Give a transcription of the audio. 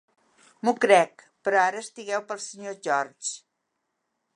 M'ho crec, però ara estigueu pel senyor George.